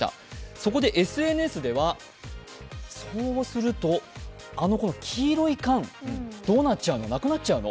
そこでＳＮＳでは、そうするとあの黄色い缶どうなっちゃうの、なくなっちゃうの？